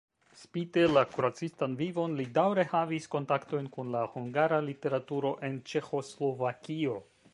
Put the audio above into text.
Spite la kuracistan vivon li daŭre havis kontaktojn kun la hungara literaturo en Ĉeĥoslovakio.